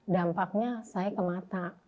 dampaknya saya ke mata